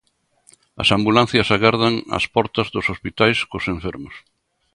As ambulancias agardan ás portas dos hospitais cos enfermos.